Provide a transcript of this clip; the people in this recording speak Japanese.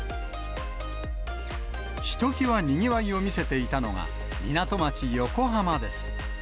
ひときわにぎわいを見せていたのが、港町、横浜です。